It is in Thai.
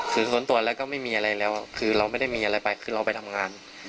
คือส่วนตัวแล้วก็ไม่มีอะไรแล้วคือเราไม่ได้มีอะไรไปคือเราไปทำงาน